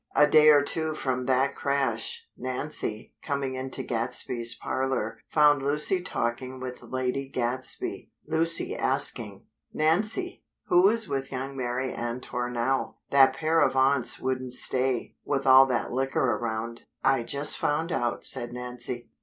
A day or two from that crash, Nancy, coming into Gadsby's parlor, found Lucy talking with Lady Gadsby, Lucy asking: "Nancy, who is with young Mary Antor now? That pair of aunts wouldn't stay, with all that liquor around." "I just found out," said Nancy.